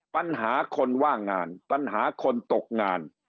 ปัญหาคนว่างงานปัญหาคนตกงาน